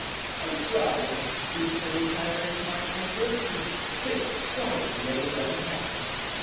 I was glad of an excuse for retiring to my chamber to think quietly over what had happened.